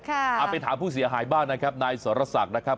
เอาไปถามผู้เสียหายบ้างนะครับนายสรศักดิ์นะครับ